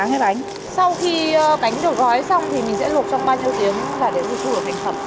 sau khi bánh được gói xong thì mình sẽ luộc trong bao nhiêu tiếng là để được thu được thành phẩm